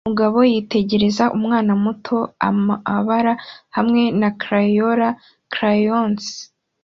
Umugabo yitegereza umwana muto amabara hamwe na crayola crayons